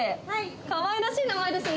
かわいらしい名前ですね。